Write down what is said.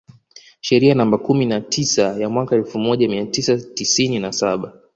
Sheria namba kumi na tisa ya mwaka elfu moja mia tisa tisini na saba